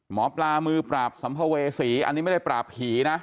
หมอปลามือปราบสัมภเวษีอันนี้ไม่ได้ปราบผีนะ